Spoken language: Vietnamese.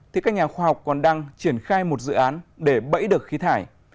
thì các nhà khoa học còn đang triển khai một dự án để bẫy được khí thải